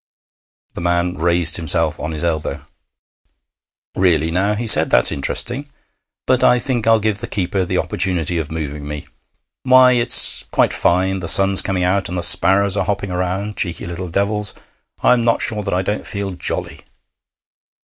The man raised himself on his elbow. 'Really now,' he said; 'that's interesting. But I think I'll give the keeper the opportunity of moving me. Why, it's quite fine, the sun's coming out, and the sparrows are hopping round cheeky little devils! I'm not sure that I don't feel jolly.'